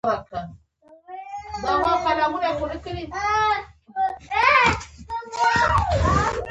لمریز ځواک د افغانستان د اقلیم ځانګړتیا ده.